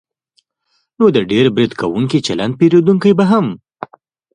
نو د ډېر برید کوونکي چلند پېرودونکی به هم